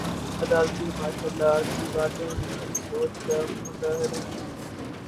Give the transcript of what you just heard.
عدالتی martial law کی باتیں بھی اسی سوچ کا مظہر ہیں۔